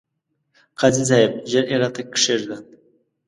قاضي صاحب! ژر يې راته کښېږده ،